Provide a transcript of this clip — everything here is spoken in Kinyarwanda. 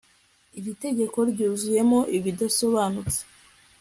Iri tegeko ryuzuyemo ibidasobanutse